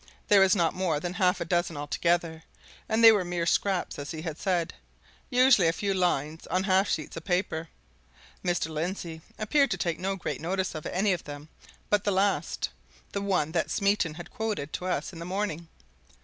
There were not more than half a dozen altogether, and they were mere scraps, as he had said usually a few lines on half sheets of paper. Mr. Lindsey appeared to take no great notice of any of them but the last the one that Smeaton had quoted to us in the morning.